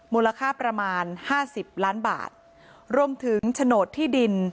มูลค่าประมาณห้าสิบล้านบาทรวมถึงโฉนดที่ดิน